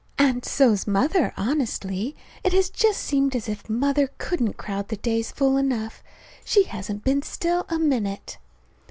And so's Mother. Honestly, it has just seemed as if Mother couldn't crowd the days full enough. She hasn't been still a minute.